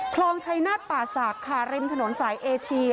คลองชัยนาฏป่าศักดิ์ค่ะริมถนนสายเอเชีย